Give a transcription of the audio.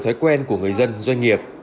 thói quen của người dân doanh nghiệp